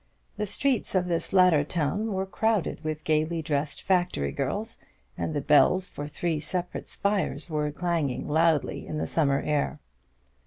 The streets of this latter town were crowded with gaily dressed factory girls, and the bells from three separate spires were clanging loudly in the summer air.